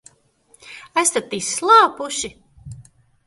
Esat izslāpuši?